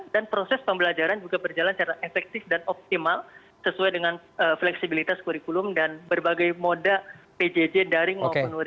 dan proses pembelajaran juga berjalan secara efektif dan optimal sesuai dengan fleksibilitas kurikulum dan berbagai moda pjj dari kondisi kurikulum